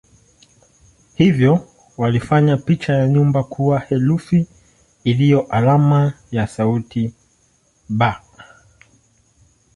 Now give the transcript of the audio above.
Hivyo walifanya picha ya nyumba kuwa herufi iliyo alama ya sauti "b".